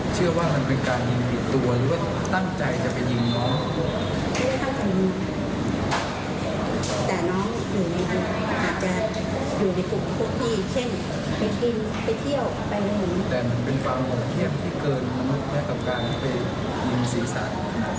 ก็มีการไปยืนสีสัน